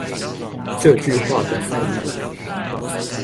這句話的含義